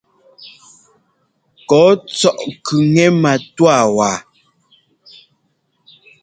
Kɔ́ɔ tsɔ́ʼ kʉŋɛ matúwa waa.